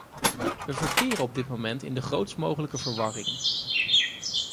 We verkeren op dit moment in de grootst mogelijke verwarring.